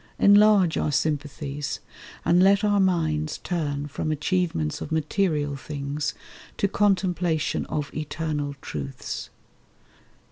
Enlarge our sympathies; and let our minds Turn from achievements of material things To contemplation of Eternal truths.